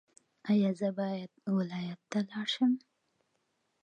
ایا زه باید ولایت ته لاړ شم؟